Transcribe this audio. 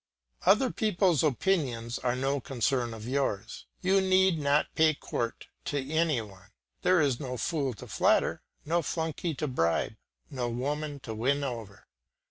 Other people's opinions are no concern of yours, you need not pay court to any one, there is no fool to flatter, no flunkey to bribe, no woman to win over.